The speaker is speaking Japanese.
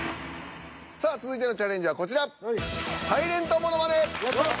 さあ続いてのチャレンジはこちら。